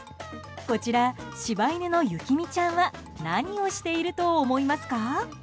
こちら、柴犬の雪海ちゃんは何をしていると思いますか？